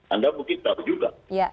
anda mungkin tahu juga